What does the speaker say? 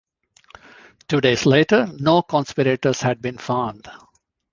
Two days later, no conspirators had been found.